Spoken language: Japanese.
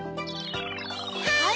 はい！